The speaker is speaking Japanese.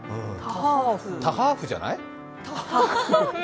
タハーフじゃない？